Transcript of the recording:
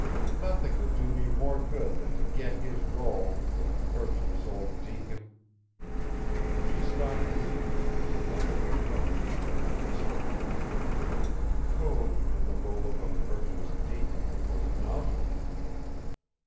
Nothing would do me more good than to get his roll, the virtuous old deacon!" She stopped reading as a rumble of mirth went round the circle. Code in the rôle of a virtuous deacon was a novelty.